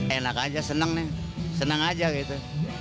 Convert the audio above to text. enak aja seneng nih seneng aja gitu